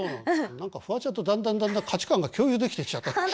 何かフワちゃんとだんだんだんだん価値感が共有できてきちゃった。